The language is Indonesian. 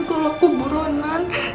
kalo aku buronan